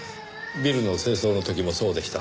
ビルの清掃の時もそうでした。